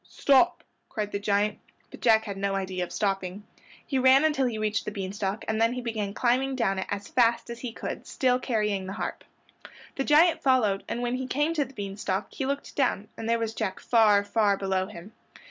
stop!" cried the giant, but Jack had no idea of stopping. He ran until he reached the bean stalk, and then he began climbing down it as fast as he could, still carrying the harp. The giant followed and when he came to the bean stalk he looked down, and there was Jack far, far below him.